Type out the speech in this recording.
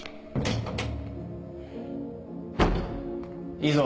いいぞ。